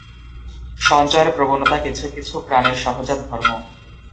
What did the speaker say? সঞ্চয়ের প্রবণতা কিছু কিছু প্রাণীর সহজাত ধর্ম।